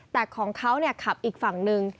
แต่ของเขาขับอีกฝั่งหนึ่ง